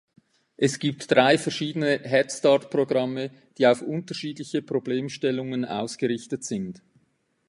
Es gibt drei verschiedene Head-Start-Programme, die auf unterschiedliche Problemstellungen ausgerichtet sind.